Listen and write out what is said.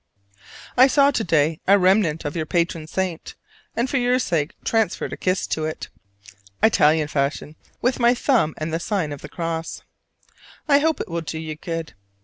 I saw to day a remnant of your patron saint, and for your sake transferred a kiss to it, Italian fashion, with my thumb and the sign of the cross. I hope it will do you good.